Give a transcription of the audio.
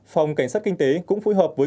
phòng cảnh sát kinh tế cũng phối hợp với